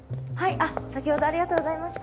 あっ先ほどはありがとうございました。